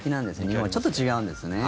日本はちょっと違うんですね。